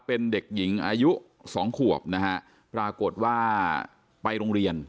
เป็นเด็กหญิงอายุสองขวบนะฮะปรากฏว่าไปโรงเรียน